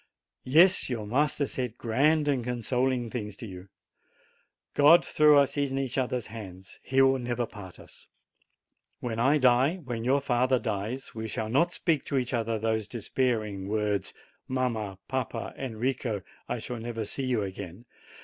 Yes, your master said grand and consoling things to you. God threw us in each other's arms; he will never part us. When I die, when your father dies, we shall not speak to each other those despairing words, "Mamma, papa, Enrico, I shall never see you again